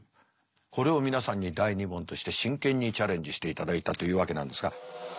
これを皆さんに第２問として真剣にチャレンジしていただいたというわけなんですが。